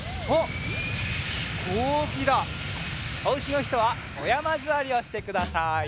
おうちのひとはおやまずわりをしてください。